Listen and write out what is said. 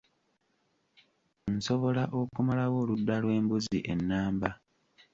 Nsobola okumalawo oludda lw'embuzi ennamba.